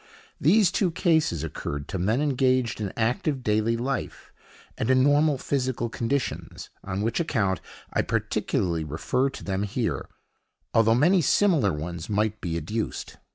These two cases occurred to men engaged in active daily life, and in normal physical conditions, on which account I particularly refer to them here, although many similar ones might be adduced.